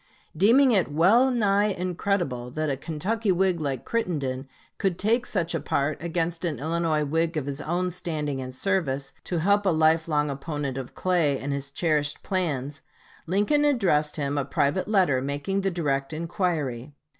Deeming it well nigh incredible that a Kentucky Whig like Crittenden could take such a part against an Illinois Whig of his own standing and service, to help a life long opponent of Clay and his cherished plans, Lincoln addressed him a private letter making the direct inquiry.